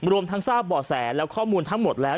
รวมทั้งทราบบ่อแสและข้อมูลทั้งหมดแล้ว